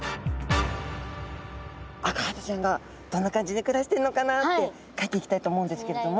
アカハタちゃんがどんな感じで暮らしているのかなって描いていきたいと思うんですけれども。